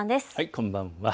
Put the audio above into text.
こんばんは。